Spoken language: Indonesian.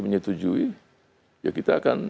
menyetujui ya kita akan